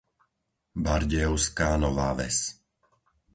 Bardejovská Nová Ves